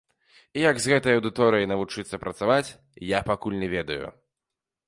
І як з гэтай аўдыторыяй навучыцца працаваць, я пакуль не ведаю.